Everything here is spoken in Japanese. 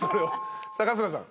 さあ春日さん。